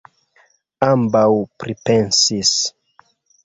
Ambaŭ pripensis.